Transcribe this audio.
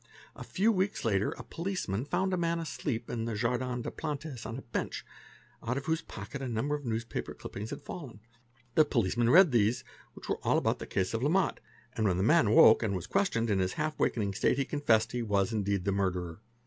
A few weeks later a policeman found a man asleep in the Jardin des Plantes on a bench, out of whose pocket a number ~ of newspaper cuttings had fallen. The policeman read these, which were all about the case of Lemot; and when the man awoke and was questioned, in his half waking state he confessed that he was indeed the murderer.